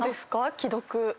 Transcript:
既読。